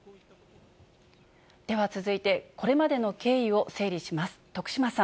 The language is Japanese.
では続いて、これまでの経緯を整理します。